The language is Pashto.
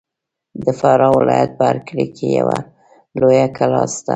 د فراه ولایت په هر کلي کې یوه لویه کلا سته.